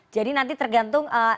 jadi nanti tergantung